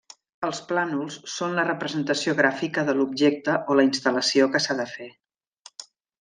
Els plànols són la representació gràfica de l'objecte o la instal·lació que s'ha de fer.